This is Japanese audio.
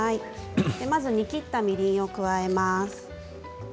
まず煮きったみりんを加えます。